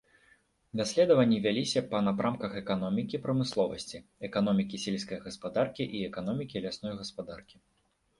Даследаванні вяліся па напрамках эканомікі прамысловасці, эканомікі сельскай гаспадаркі і эканомікі лясной гаспадаркі.